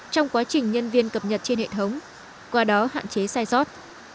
trong quá trình nhân viên cập nhật trên hệ thống qua đó hạn chế sai sót